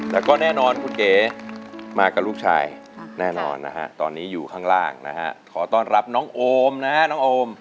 แต่ก็แน่นอนคุณเก๋มากับลูกชายแน่นอนนะฮะตอนนี้อยู่ข้างล่างนะฮะขอต้อนรับน้องโอมนะฮะน้องโอม